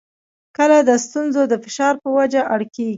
کله د ستونزو د فشار په وجه اړ کېږي.